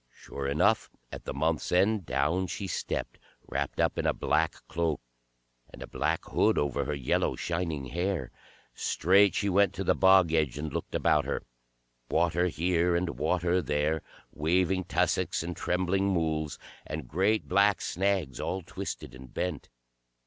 Sure enough, at the month's end down she stept, wrapped up in a black cloak, and a black hood over her yellow shining hair. Straight she went to the bog edge and looked about her. Water here and water there; waving tussocks and trembling mools, and great black snags all twisted and bent.